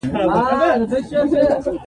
د افغانستان جلکو د افغانستان د اقتصاد برخه ده.